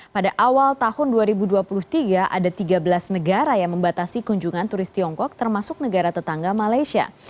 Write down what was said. pada awal tahun dua ribu dua puluh tiga ada tiga belas negara yang membatasi kunjungan turis tiongkok termasuk negara tetangga malaysia